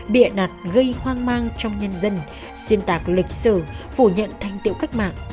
bị ảnh hạt gây hoang mang trong nhân dân xuyên tạc lịch sử phủ nhận thanh tiệu cách mạng